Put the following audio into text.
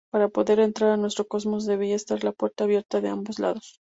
Para poder entrar a nuestro Cosmos debía estar la puerta abierta de ambos lados.